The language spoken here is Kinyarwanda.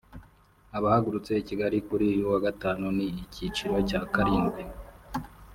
Abahagurutse i Kigali kuri uyu wa Gatanu ni ikiciro cya karindwi